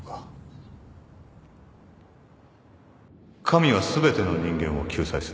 神は全ての人間を救済する。